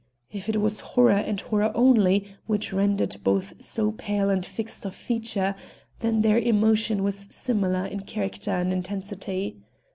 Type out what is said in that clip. If it was horror and horror only which rendered both so pale and fixed of feature, then their emotion was similar in character and intensity.